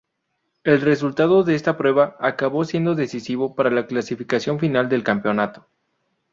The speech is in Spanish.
El resultado de esta prueba acabó siendo decisivo para la clasificación final del campeonato.